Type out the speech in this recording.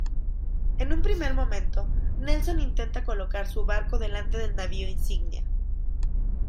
En un primer momento, Nelson intentó colocar su barco delante del navío insignia.